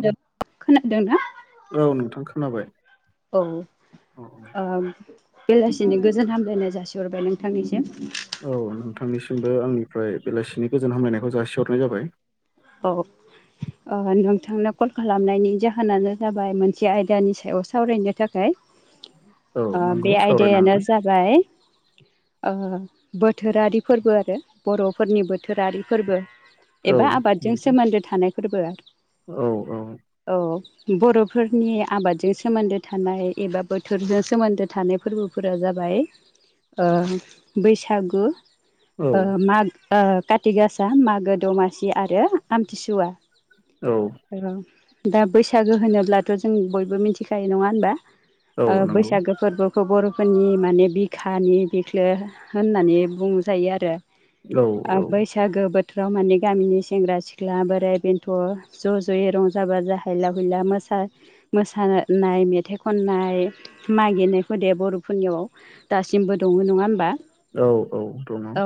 [unintelligible] खोनादोंना? औ नोंथां खोनाबाय। औ औ आम बेलासिनि गोजोन हामलायनाय जासिहरबाय नोंथांनिसिम औ नोंथांनिसिमबो आंनिफ्राय बेलासिनि गोजोन हामलायनायखौ जासिहरनाय जाबाय। औ ओ नोंथांनो कल खालामनायनि जाहोनानो जाबाय मोनसे आयदानि सायाव सावरायनो थाखाय। औ आ बे नंगौ आयदायानो सावरायनो जाबाय ओ बोथोरारि फोरबो आरो बर'फोरनि बोथोरारि फोरबो एबा आबादजों हागोन सोमोन्दो थानायफोरबो औ [inaudible] औ। बर'फोरनि आबादजों सोमोन्दो थानाय एबा बोथोरजों सोमोन्दो थानाय फोरबोफोरा जाबाय फाय ओ बैसागु ओ माग ओ काति गासा मागो दमासि आरो आमथिसुवा। औ दा बैसागो होनोब्लाथ' जों बयबो मिथिखायो नङा होनबा ओ नंगौ बैसागो फोरबो खौ बर'फोरनि माने बिखानि बिख्लो होननानै बुंजायो आरो । औ ओ बैसागो बोथोराव माने गामिनि सेंग्रा सिख ख्ला बोराइ बेन्थ' ज' ज'यै रंजा बाजा हायला हुला मोसा मोसानाय मेथाइ खननाय मागेनायफोर दे बर'फोरनियावआव दासिमबो दङ नङा होमबा? औ औ दङ। औ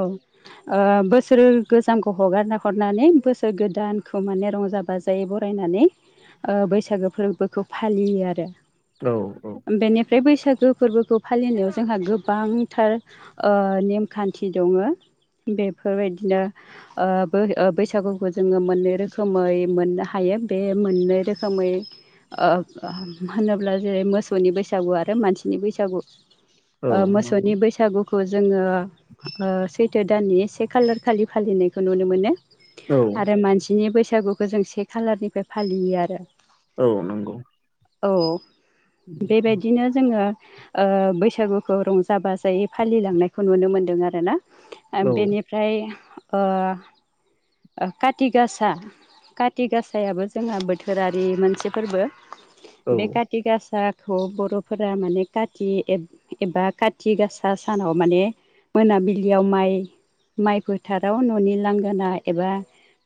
ओ बोसोरो गोजामखौ हगारना हरनानै बोसो सोर गोदानखौ माने रंजा बाजायै बरायनानै ओ बैसागो फोरबोखौ फालियो आरो । औ औ। बे बैसागो फोरबोखौ फालिनायाव जोंहा गोनांथार ओ नेमखान्थि दङो । बेफोरबायदिनो ओ बो ओ बैसागुखौ जोङो मोननै रोखोमै मोननो हायो बे मोननै रोखोमै ओ होनोब्ला जेरै मोसौनि बैसागु आरो मानसिनि बैसागु। औ ओ मोसौनि नंगौ बैसागु खौ जोङो ओ सैथो दाननि से खालार खालि फालिनायखौ नुनो मोनो । औ आरो मानसिनि बैसागुखौ जों से खालारनिफ्राय फालियो आरो । औ नोंगौ औ बेबायदिनो जोङो ओ बैसागुखौ रंजा बाजायै फालिलांनायखौ नुनो मोन्दों आरो ना । ओ औ बेनिफ्राय ओ काति गासा काति गासायाबो जोंहा बोथोरारि मोनसे फोरबो। औ बे काथिं गासा खौ बर'फोरा माने खाथि एब एबा खाथिं गासा सानाव माने मोनाबिलियाव माइ माइ फोथाराव न'नि लांगोना एबा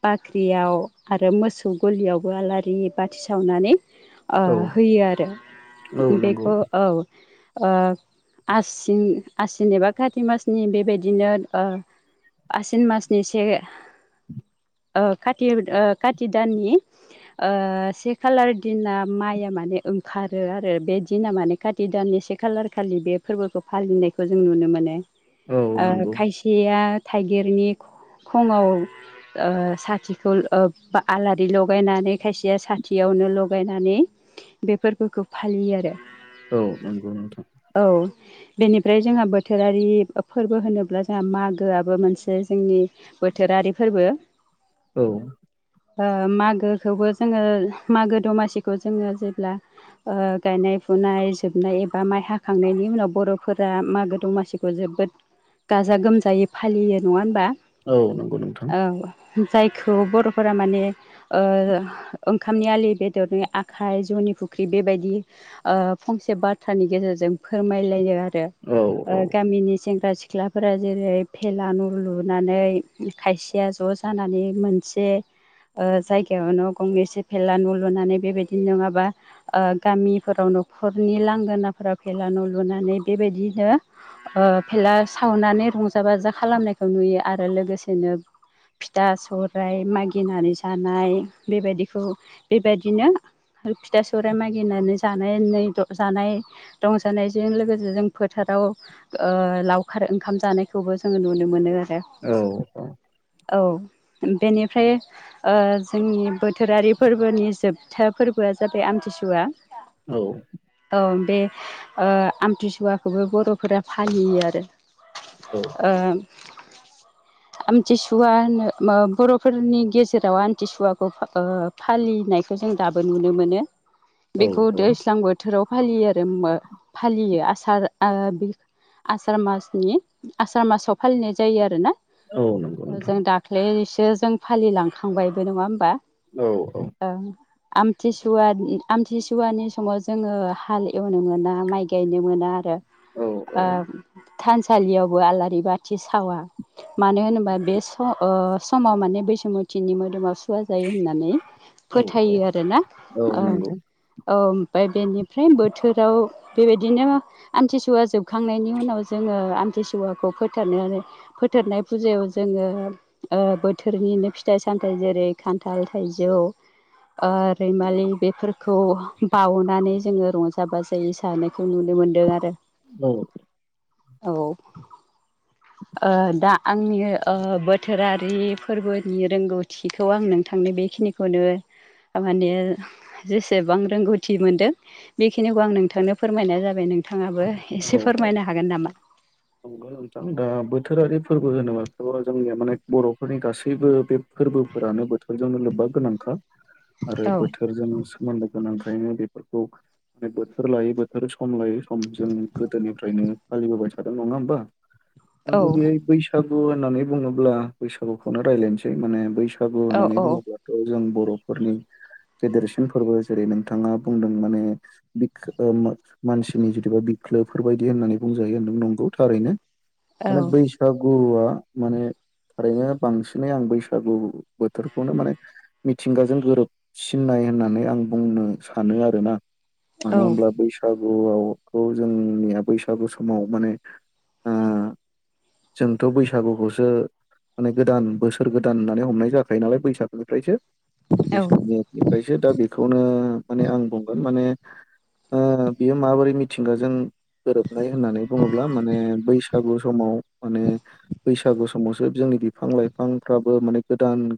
बाख्रियाव आरो मोसौ गलियावबो आलारि बाथि सावनानै ओ औ होयो औ आरो नंगौ बेखौ औ ओ आसिन आसिन एबा खाथि मासनि बेबायदिनो ओ आसिन मासनि से ओ खाथि ओ खाथि दाननि ओ से खालार दिना माइया मा माने ओंखारो आरो बे दिना माने खाथि दाननि से खालार खालि बे फोरबोखौ फालिनायखौ जों नुनो नो मोनो । औ ओ नंगौ खायसेया थाइगिरनि खुङाव ओ साथिखौ आलारि लगायनानै खायसेया साथियावनो लगायनानै बे फोरबोखौ फालियो आरो । औ नंगौ नोंथां । बेनिफ्राय जोंहा बोथोरारि फोरबो होनोब्ला जोंहा मागोआबो मोनसे जोंनि बोथोरा आरि फोरबो औ। ओ मागोखौबो जोङो मागो दमासिखौ जोङो जेब्ला ओ गायनाय फुनाय जोबनाय एबा माइ हाखांनायनि उनाव बर'फोरा मागो दमासिखौ जोबोद गाजा गोमजायै फालियो नङा होनबा। औ नंगौ नोंथां। औ जायखौ बर'फोरा माने ओ ओंखामनि आलि बेदरनि आखाइ नि फुख्रि बेबायदि ओ फंसे बाथ्रानि गेजेरजों फोरमायलायो ओ औ औ गामिनि सेंग्रा सिख सिख्लाफोरा जेरै भेला नु लुनानै खायसेया ज'स जानानै मोनसे ओ जायगायावनो गंसे फेला न' लुनानै बेबायदि नङाबा ओ गामिफोराव नखरनि लांगोनाफोरा भेला न लुनानै बेबायदिनोे‌ ओ भेला सावना नै रंजा बाजा खालामनायखौ नुयो आरो लोगोसेनो फिथा सौराइ मागिनानै जानाय बेबायदिखौ बेबायदिनो फिथा सौराइ मागिनानै जानाय नै जानाय रंजानायजों लोगोसे जों फोथार राव ओ लावखार ओंखाम जानायखौबो जोङो नुनो मोनो आरो। औ औ। औ। बेनिफ्राय ओ जोंनि बोथोरारि फोरबोनि जोबथा फोरबोआ जाबाय आमथि सुवा। औ। बे ओ आमथिसुवाखौबो बरफोरा फालियो आरो। ओम उम आमथिसुवा होनो बरफोरनि गेजेराव आमथिसुवाखौ ओ फालिनायखौ जों दा दाबो‌ नुनो मोनो औ बेखौ औ दैज्लां बोथोराव फालियो आरो उमो फालियो आसार बे आसार मासनि आसार मासाव फालिनाय जायो आरोना। औ। जों नोंथां दाख्लैसो जों फालिलांखांबायबो नङा होमबा। औ औ। आमथिसुवानि आमथिसुवानि समाव जोङो हाल एवनो मोना माइ गायनो मोना आरो। औ औ ओ थानसालियावबो आलारि बाथि सावा मानो होनोबा बे सम ओ समाव माने बैसुमुथिनि मोदोमाव सुवा जायो होननानै फोथायो आरोना। औ ओम नंगौ ओम ओमफाय बेनिफ्राय बोथोराव बेबायदिनो आमथिसुवा जोबखांनायनि उनाव जोङो थि सुवाखौ फोथारनानै फोथारनाय फुजायाव जोङो ओ‌ बोथोरनिनो फिथाइ सामथाइ जेरै खान्थाल थाइजौ ओ रैमालि बेफोरखौ बाउनानै जोङो रंजा बाजायै जानायखौ नुनो मोनो। नुनो मोनदों आरो। औ। औ ओ दा आंनि ओ बोथोरारि फोरबोनि रोंगौथिखौ आं नोंथांनो बेखिनिखौनो माने जेसेबां रोंगौथि मोनदों बेखिनिखौ आं नोंथांनो फोरमायनाय जाबाय नोंथां। औ औ नंगौ नोंथां दा बोथोरारि फोर फोरबो होनोबा बे जोंनिया माने बरफोरनि गासैबो बे फोरबोफोरानो बोथोरजोंनो लोब्बा गोनांखा आरो औ बोथोरजों सोमोन्दो गोनांंखायनो बेफोरखौ माने बोथोर लायै बोथोर सम लायै सम जों फ्रायनो फालिबोबाय थादों नङा होमबा औ बै बैसागु गु होननानै बुङोब्ला बैसागुखौनो रायलायनोसै माने बैसागु औ होननानै औ बुङोब्लाथ जों बर बर'फोरनि फेदेरेसन फोरबो जेरै नोंथाङा बुंदों माने बिखो‌ ओ‌ मो मानसिनि जितु बि ख्लोफोरबायादि होननानै बुंजायो होनदों नंगौ थारैनो औ माने बैसागुआ माने थारैनो बांसिनै आं बैसागु बोथोरखौनो माने मिथिंगाजों गोरोबसिननाय होननानै आं बुंनो सानो आरोना मानो औ होनब्ला बैसागुआव जोंनिया बैसागु समाव माने ओ जोंथ बैसागुखौसो माने गोदान बोसोर गोदान होननानै हमनाय जाखायो नालाय बैसागोनिफ्रायसो औ बैसाग मेकनिफ्रायसो दा बेखौनो माने आं बुंगोन माने ओ बियो माबोरै मिथिंगाजों गोरोबनाय होननानै बुङोब्ला माने बैसागु समाव माने बैसागु समावसो जोंनि बिफां लाइफांफ्राबो माने गोदान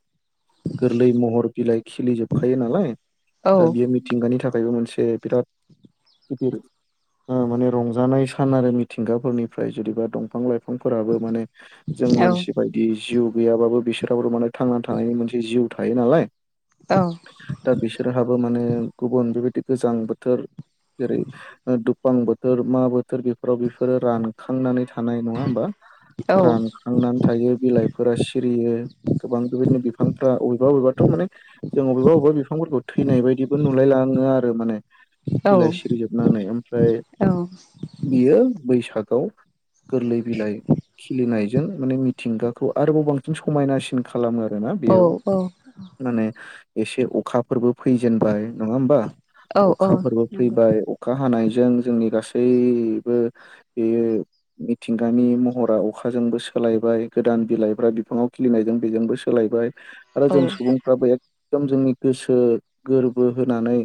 गोरलै महर बिलाइ खिलिजोबखायो नालाय औ दा बियो मिथिंगानि थाखायबो मोनसे बिराद गिदिर माने रंजानाय सान आरो मिथिंगाफोरनिफ्राय जुदिबा दंफां लाइफां बिफांफोराबो माने जों मानसि बायदि जिउ गैयाबाबो बिसोराव माने थांनानै थानायनि मोनसे जिउ थायो नालाय दा बिसोरहाबो माने गुबुन बेबायदि गोजां बोथोर जेरै ओ दुफां बोथोर मा बोथोर बेफोराव बेफोरो रानखांनानै था नाय नङा होमबा रानख्रांनानै थायो बिलाइफोरा सिरियो गोबां बेबायदिनो बिफांफ्रा अबेबा अबेबाथ' माने जों अबेबा अबेबा बिफांफोरखौ थैनाय बायदिबो नुलायलाङो आरो माने बिलाइ सिरिजोबनानै ओमफ्राय बियो बैसागआव गोरलै बिलाइ खिलिनाय जों माने मिथिंगाखौ आरोबाव बांसिन समायनासिन खालामो आरोना बेयाव औ औ माने एसे अखाफोरबो फैजेनबाय नङा होमबा औ औ अखाफोरबो नंगौ फैबाय अखा हानाय जों जोंनि गासैबो इयो मिथिंगानि महरा अखाजोंबो सोलायबाय गोदान बिलाइफ्रा बिफाङाव खिलिनायजों बेजोंबो सोलायबाय आरो औ जों सुबुंफ्राबो एखदम जोंनि गोसो गोरबो होनानै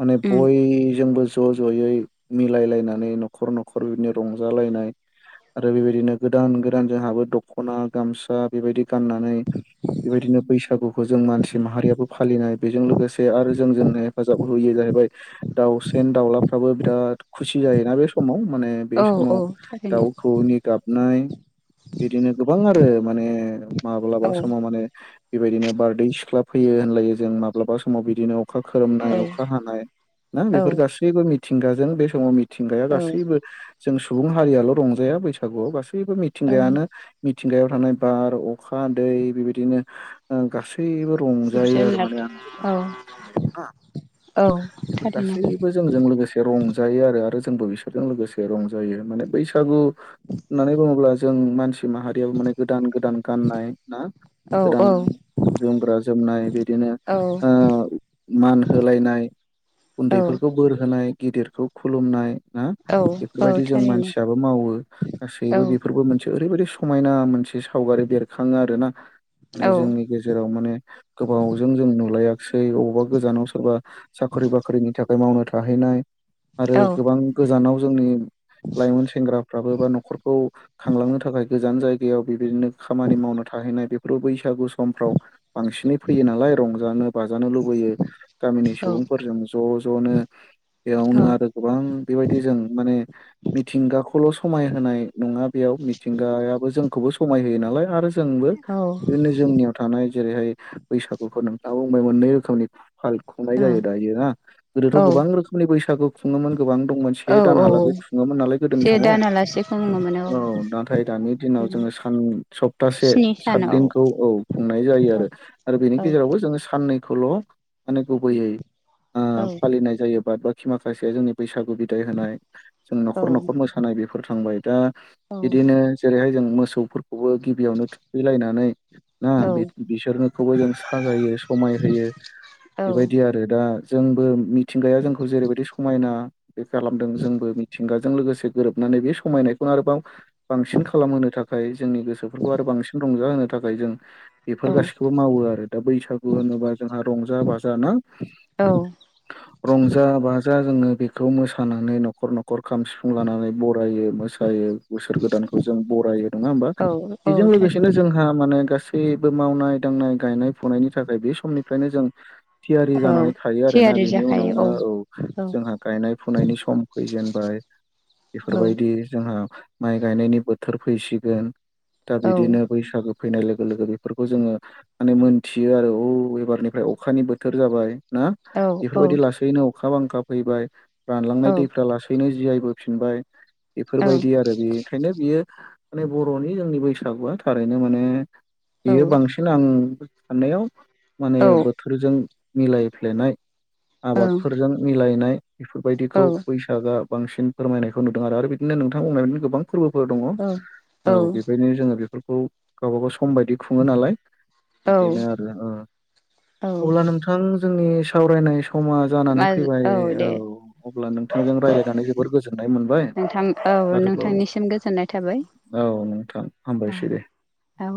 माने उम बयजोंबो ज' ज'यै मिलायलायनानै न'खर न'खर बिदिनो रंजालायनाय आरो बेबायदिनो गोदान गोदान जोंहाबो दख'ना गामसा बेबायदि गाननानै बेबायदिनो बैसागुखौ जों मानसि माहारियाबो फालिनाय बेजों लोगोसे आरो जोंजोंनो हेफाजाब होयो जाय बाय दाउसेेन दाउलाफ्राबो दा खुसि जायोना बे समाव माने बे औ औ समाव थारैनो दाउखौनि गाबनाय बिदिनो गोबां आरो माने औ माब्लाबा समाव माने बेबायदिनो बारदै सिख्ला फैयो होनलायो जों माब्लाबा समाव बिदिनो अखा खोरोमनाय औ अखा हानाय ना औ बेफोर गासैबो मिथिंगाजों बे समाव मिथिंगाया औ गासैबो जों सुबुं हारियाल' रंजाया बैसागुआव गासैबो औ मिथिंगायानो मिथिंगायाव थानाय बार अखा दै बेबायदिनो ओ गासै सैबो जिब रंजायो आरो जुनार माने औ आंनिबानायाव ना औ बेफोर थारैनो गासैबो जोंजों लोगोसे रंजायो आरो आरो जोंबो बिसोरजों लोगोसे रंजायो माने बैसागु होननानै बुङोब्ला जों मानसि माहारियाबो माने गोदान गोदान गाननाय ना औ गोदान औ जोमग्रा जोमनाय बिदिनो औ ओ मान होलायनाय। औ उन्दैफोरखौ बोर होनाय गिदिरखौ खुलुमनाय ना औ औ बेफोरबायदि जों थारैनो मानसियाबो मावो औ गासैबो बेफोरबो मोनसे ओरैबायदि समायना मोनसे सावगारि बेरखाङो आरोना? माने औ जोंनि गेजेराव माने गोबावजों जों नुलायाखिसै अबा गोजानाव सोरबा साख्रि बाख्रिनि थाखाय मावनो थाहैनाय। आरो औ गोबां गोजानाव जोंनि लाइमोन सेंग्राफ्राबो बा न'खर खौ खांलांनो थाखाय गोजान जायगायाव बेबायदिनो खामानि मावनो थाहैनाय बेफोर बैसागु समफ्राव बांसिनै फैयो नालाय रंजानो बाजानो लुबैयो गामिनि औ सुबुंफोरजों ज' ज'नो। बेयावनो आरो गोबां बेबायदि जों माने मिथिंगाखौल' समाय होनाय नङा बेयाव मिथिंगायाबो जोंखौबो समाय होयो नालाय आरो जोंबो बिदिनो जोंनियाव थानाय जेरैहाय बैसागुखौ नोंथाङ बुंबाय मोननै रोखोमनि फाल खुंनाय जायो औ दायो हा गोदोथ' औ गोबां रोखोमनि बैसागु खुङोमोन। गोबां दं औ औ सेदानहालागै खुङोमोन नालाय गोदोनि से समाव दानालासे खुंनो मोनो औ नाथाय दानि दिनाव जोङो सान सप्तासे स्नि सानाव साथदिनखौ औ खुंनाय जायो औ आरो बेनि औ गेजेराव जों साननै खौल' माने गुबैयै औ फालिनाय जायोबा बाखि माखासे जोंनि बैसागु बिदाय होनाय जों न'खर न'खर मोसानाय बेफोर थांबाय दा औ बिदिनो जेरैहाय जों मोसौफोरखौबो गिबियावनो थुखैलायनानै ना बिसोरनोखौबो जों साजायो समाय होयो बेबायदि आरो दा जोंबो मिथिंगाया जों खौ जेरैबायदि समायना बे खालामदों जोंबो मिथिंगाजों लोगोसे गोरोबनानै बे समायनायखौनो आरोबाव बांसिन खालामहोनो थाखाय जोंनि गोसोफोरखौ आरो बांसिन रंजाहोनो थाखाय जों बेफोर गासिखौबो मावो आरो दा बैसागु होनोबा जोंहा रंजा बाजा जा ना औ रंज बाजा जोङो बेखौ मोसानानै न'खर न'खर खाम सिफुं लानानै बरायो मोसायो। बोसोर गोदानखौ जों बरायो नङा ओमबा औ औ बेजों लोगोसेनो थारैनो जोंहा माने गास गासैबो मावनाय दांनाय गायनाय फुनायनि थाखाय बे समनिफ्रायनो जों थियारि औ जानानै थायो आरोना थियारि बेनि जाखायो औ उनावनो औ औ जोंहा गायनाय फुनायनि सम फैजेनबाय औ बेफोरबायदि जों जोंहा माइ गायनायनि बोथोर फैसिगोन दा औ बिदिनो बैसागो। फैनाय लोगो लोगो बेफोरखौ जोङो माने मोनथियो आरो औ एबारनिफ्राय अखानि बोथोर जाबाय। ना औ बेफोरबायदि लासैनो अखा बांखा फैबाय रानलांनाय औ दैफ्रा लासैनो जिआय होफिनबाय औ इफोरबायदि आरो बेनिखायनो बियो माने बर'नि जोंनि बैसागुआ थारैनो माने औ बियो बांसिन आं साननायाव माने औ बोथोरजों मिलायफ्लेयनाय आबाद। फोरजों मिलायनाय औ बेफोरबायदिखौ बैसागो बांसिन फोरमायनायखौ नुदों आरो बिदिनो नोंथां बुंनायनो गोबां फोरबोफोर दङ औ बेबायनो जोङो बेफोरखौ गावबाागाव सम बायदि खुङो नालाय। बिदिनो आरो औ अब्ला नोंथां जोंनि सावरायनाय समा आ जानानै फैबाय औ अब्ला नोंथांजों रायज्लायनानै जोबोर गोजोननाय मोनबाय। नोंथां औ आरोबाव नोंथांनिसिम गोजोननाय थाबाय औ नोंथां हामबायसै दे औ